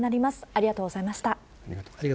ありがとうございます。